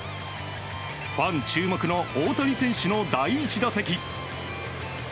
ファン注目の大谷選手の第一打席。